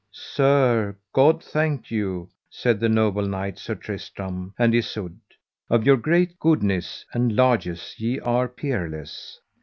Sir, God thank you, said the noble knight, Sir Tristram, and Isoud; of your great goodness and largess ye are peerless.